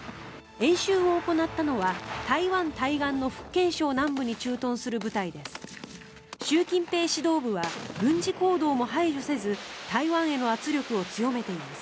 演習を行ったのは台湾対岸の福建省南部に駐屯する部隊です。